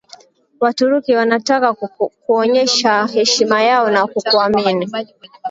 Waturuki wanataka kuonyesha heshima yao na kukuamini